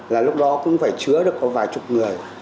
là lúc đó cũng phải chứa được có vài chục người